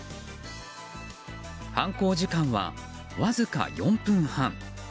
犯行時間はわずか４分半。